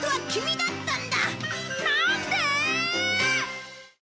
なんで！？